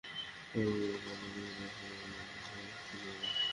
ফলে আল্লাহ তাঁর নবীকে তার ষড়যন্ত্র থেকে মুক্তি দিলেন।